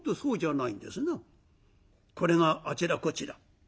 これがあちらこちら